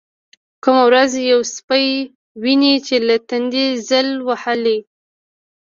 کومه ورځ يو سپى ويني چې له تندې ځل وهلى.